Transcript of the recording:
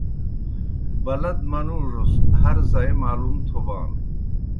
بَلَد منُوڙوْس ہر زائی معلوم تھوبانوْ۔